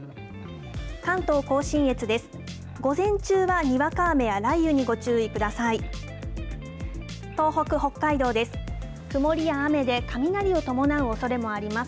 関東甲信越です。